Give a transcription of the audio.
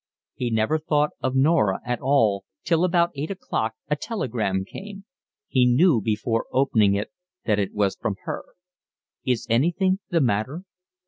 He never thought of Norah at all till about eight o'clock a telegram came. He knew before opening it that it was from her. Is anything the matter?